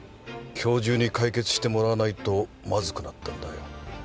今日中に解決してもらわないとまずくなったんだよ。